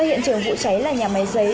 do hiện trường vụ cháy là nhà máy giấy